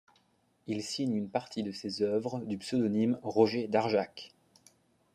Il signe une partie de ses œuvres du pseudonyme Roger d'Arjac.